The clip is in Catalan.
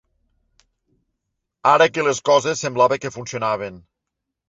Ara que les coses semblava que funcionaven.